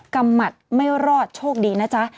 ำหมัดไม่รอดโชคดีนะจ๊ะ